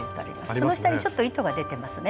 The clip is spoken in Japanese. その下にちょっと糸が出てますね。